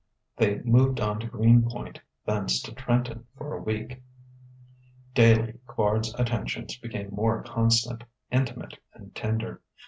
They moved on to Greenpoint, thence to Trenton for a week. Daily Quard's attentions became more constant, intimate and tender.